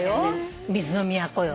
水の都よ。